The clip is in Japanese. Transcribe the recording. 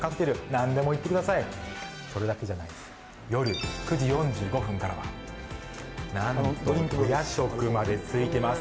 何でも言ってくださいそれだけじゃないんです夜９時４５分からは何とお夜食までついてます